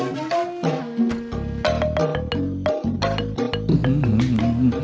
pertanyaannya lo baik bukan